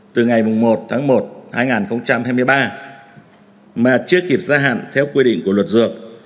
từ ngày một tháng một hai nghìn hai mươi ba mà chưa kịp gia hạn theo quy định của luật dược